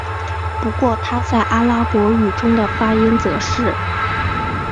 不过它在阿拉伯语中的发音则是。